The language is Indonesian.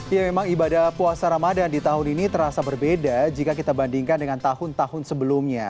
ya memang ibadah puasa ramadan di tahun ini terasa berbeda jika kita bandingkan dengan tahun tahun sebelumnya